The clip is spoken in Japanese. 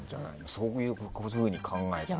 そういうふうに考えたら。